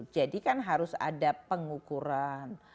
jadi kan harus ada pengukuran